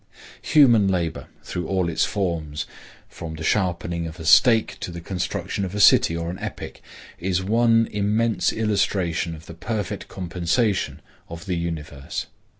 Human labor, through all its forms, from the sharpening of a stake to the construction of a city or an epic, is one immense illustration of the perfect compensation of the universe.